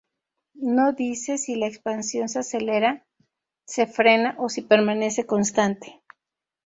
No dice si la expansión se acelera, se frena o si permanece constante.